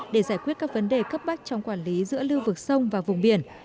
để giải quyết các vấn đề cấp bách trong quản lý giữa lưu vực sông và vùng biển